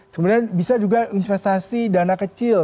kemudian bisa juga investasi dana kecil